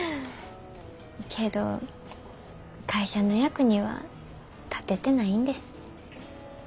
けど会社の役には立ててないんです。